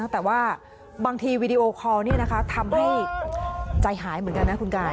แต่ว่าบางทีวีดีโอคอลนี่นะคะทำให้ใจหายเหมือนกันนะคุณกาย